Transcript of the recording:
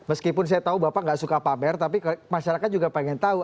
meskipun saya tahu bapak nggak suka pamer tapi masyarakat juga pengen tahu